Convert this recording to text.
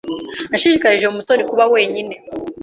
Nashishikarije Mutoni kuba wenyine.